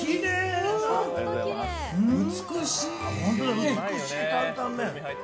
美しい担々麺。